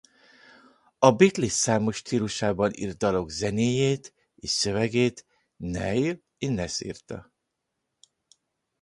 A Beatles-számok stílusában írt dalok zenéjét és szövegét Neil Innes írta.